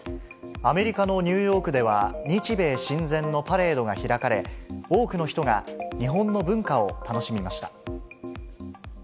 アメリカのニューヨークでは、日米親善のパレードが開かれ、多くの人が日本の文化を楽しみました。